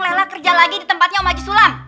nelela kerja lagi di tempatnya om haji sulam